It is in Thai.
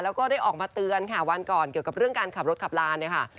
แล้วก็ได้ออกมาเตือนค่ะวันก่อนเกี่ยวกับเรื่องการขับรถขับลาเนี่ยค่ะ